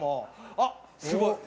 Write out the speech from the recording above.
あっすごい。